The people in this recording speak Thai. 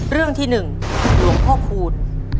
เรื่องที่๑หลวงพ่อคูณ